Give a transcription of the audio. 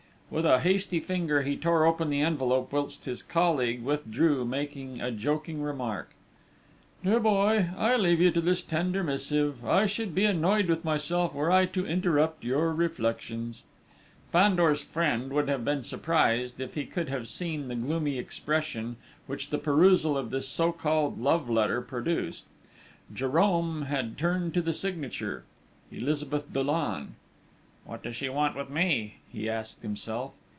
With a hasty finger, he tore open the envelope whilst his colleague withdrew making a joking remark. "Dear boy, I leave you to this tender missive: I should be annoyed with myself were I to interrupt your reflections!" Fandor's friend would have been surprised, if he could have seen the gloomy expression which the perusal of this so called love letter produced. Jérôme had turned to the signature Elizabeth Dollon. "What does she want with me?" he asked himself.